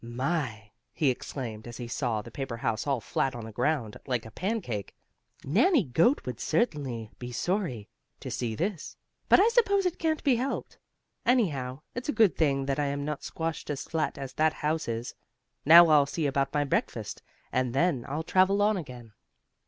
"My!" he exclaimed as he saw the paper house all flat on the ground, like a pancake, "Nannie Goat would certainly be sorry to see this. But I suppose it can't be helped. Anyhow, it's a good thing that I am not squashed as flat as that house is. Now I'll see about my breakfast, and then I'll travel on again."